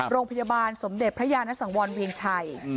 โรงพยาบาลสมเด็จพระยานสังวรเวียงชัย